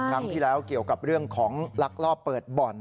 ครั้งที่แล้วเกี่ยวกับเรื่องของลักลอบเปิดบ่อน